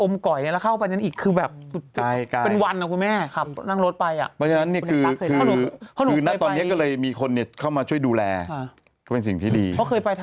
ไม่มีตังค์ไงโอมก่อยไก่มากโอมก่อยแล้วอยู่ไก่ด้วยนะครับเพราะฉะนั้นเนี่ย